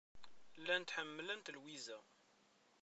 Llant ḥemmlent Lwiza.